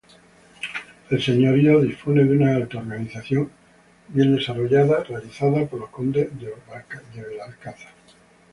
El señorío disponía de una organización bien desarrollada, realizada por los condes de Belalcázar.